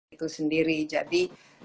itu sendiri jadi